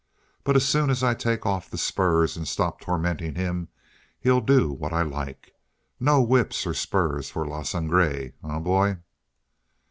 But as soon as I take off the spurs and stop tormenting him, he'll do what I like. No whips or spurs for Le Sangre. Eh, boy?"